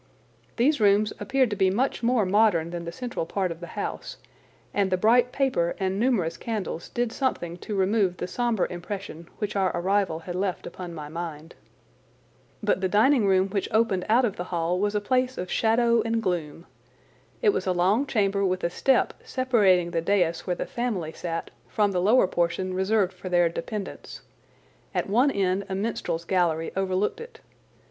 These rooms appeared to be much more modern than the central part of the house, and the bright paper and numerous candles did something to remove the sombre impression which our arrival had left upon my mind. But the dining room which opened out of the hall was a place of shadow and gloom. It was a long chamber with a step separating the dais where the family sat from the lower portion reserved for their dependents. At one end a minstrel's gallery overlooked it.